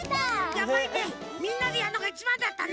やっぱりねみんなでやるのがいちばんだったね！